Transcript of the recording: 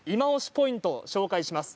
ポイントをご紹介します。